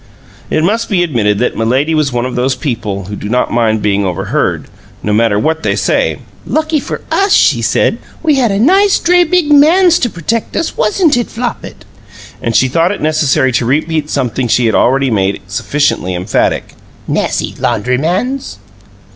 It must be admitted that Milady was one of those people who do not mind being overheard, no matter what they say. "Lucky for us," she said, "we had a nice dray bid MANS to protect us, wasn't it, Flopit?" And she thought it necessary to repeat something she had already made sufficiently emphatic. "Nassy laundrymans!"